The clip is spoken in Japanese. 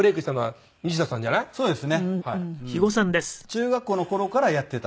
中学校の頃からやっていた。